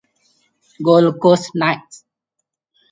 Gold Coast Knights